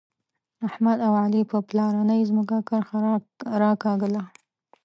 احمد او علي په پلارنۍ ځمکه کرښه راکاږله.